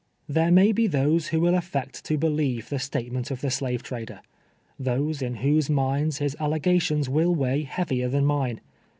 " There may he those who will affect to helieve the statement of the slave trader — those, in whose minds his allegations will weigh heavier than mine.